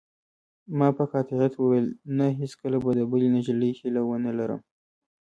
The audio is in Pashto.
ما په قاطعیت وویل: نه، هیڅکله به د بلې نجلۍ هیله ونه لرم.